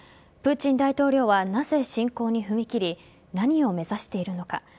プーチン大統領はなぜ侵攻に踏み切り何を目指しているのか。